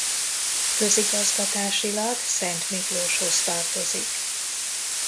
Közigazgatásilag Szentmiklóshoz tartozik.